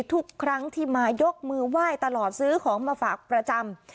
ทุกครั้งที่มายกมือไหว้ตลอดซื้อของมาฝากประจำ